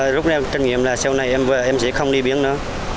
lúc này em trân nghiệm là sau này em sẽ không đi biển nữa